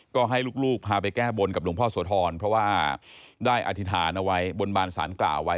ก็ให้ลูกพาไปแก้บนกับหลวงพ่อโสธรเพราะว่าได้อธิษฐานเอาไว้บนบานสารกล่าวไว้